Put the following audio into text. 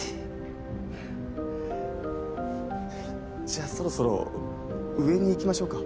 じゃあそろそろ上に行きましょうか？